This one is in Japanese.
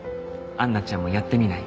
杏奈ちゃんもやってみない？